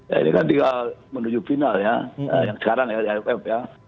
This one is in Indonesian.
ya ini kan tinggal menuju final ya yang sekarang ya di aff ya